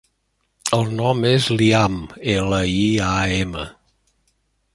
El nom és Liam: ela, i, a, ema.